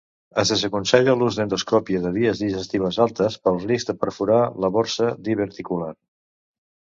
Es desaconsella l'ús d'endoscòpia de vies digestives altes pel risc de perforar la borsa diverticular.